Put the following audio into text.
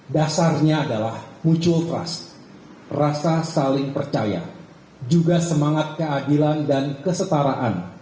dasarnya adalah muncul trust rasa saling percaya juga semangat keadilan dan kesetaraan